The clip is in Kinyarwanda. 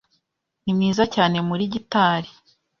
Ni mwiza cyane muri gitari.